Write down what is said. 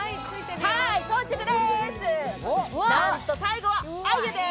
到着です。